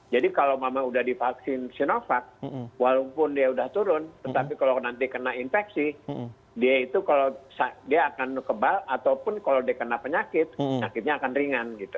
jadi kalau mama sudah divaksin sinovac walaupun dia sudah turun tetapi kalau nanti kena infeksi dia itu kalau dia akan kebal ataupun kalau dia kena penyakit penyakitnya akan ringan gitu